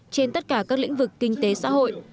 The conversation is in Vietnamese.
trên tất cả các lĩnh vực kinh tế xã hội